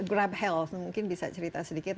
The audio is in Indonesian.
grab health mungkin bisa cerita sedikit